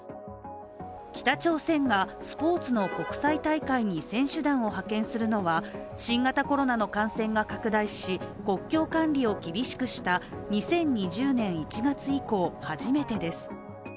北朝鮮がスポーツの国際大会に選手団を派遣するのは新型コロナの感染が拡大し、国境管理を厳しくした２０２０年１月以降、初めてです。